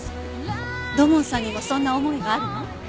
土門さんにもそんな思いがあるの？